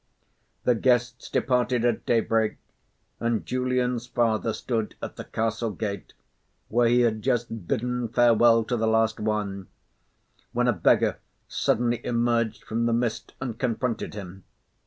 The guests departed at daybreak, and Julian's father stood at the castle gate, where he had just bidden farewell to the last one, when a beggar suddenly emerged from the mist and confronted him.